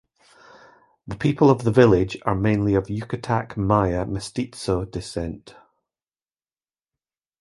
The people of the village are mainly of Yucatec Maya Mestizo Descent.